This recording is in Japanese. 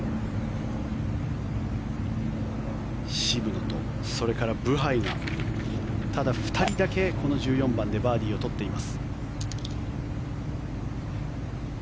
渋野と、それからブハイがただ２人だけこの１４番でバーディーを取っています。